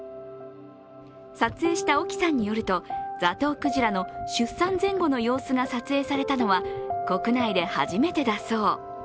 撮影した興さんによるとザトウクジラの出産前後の様子が撮影されたのは国内で初めてだそう。